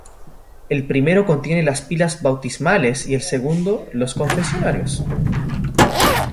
El primero contiene las pilas bautismales y el segundo, los confesionarios.